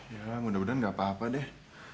ya mudah mudahan gak apa apa deh